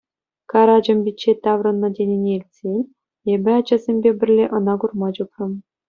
Карачӑм пичче таврӑннӑ тенине илтсен, эпӗ ачасемпе пӗрле ӑна курма чупрӑм.